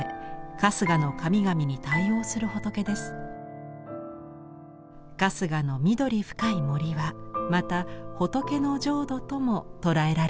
春日の緑深い森はまた仏の浄土とも捉えられていました。